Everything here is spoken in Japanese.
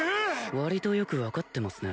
わりとよく分かってますね